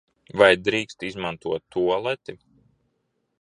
Vai drīkst izmantot tualeti?